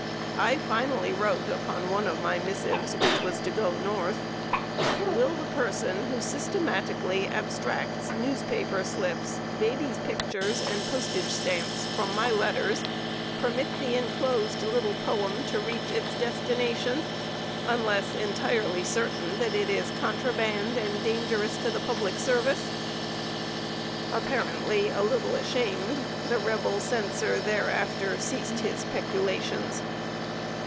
I finally wrote upon one of my missives, which was to go North: "Will the person who systematically abstracts newspaper slips, babies' pictures, and postage stamps from my letters, permit the inclosed little poem to reach its destination, unless entirely certain that it is contraband and dangerous to the public service?" Apparently a little ashamed, the Rebel censor thereafter ceased his peculations.